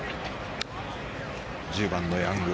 １０番のヤング。